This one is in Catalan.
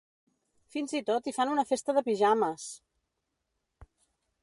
Fins i tot hi fan una festa de pijames!